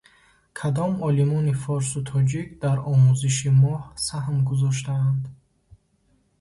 Кадом олимони форсу тоҷик дар омӯзиши Моҳ саҳм гузоштаанд?